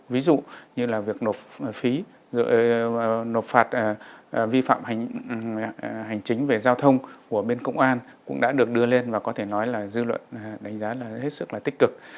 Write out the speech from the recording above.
ví dụ như là việc nộp phạt vi phạm hành chính về giao thông của bên công an cũng đã được đưa lên và có thể nói là dư luận đánh giá là hết sức là tích cực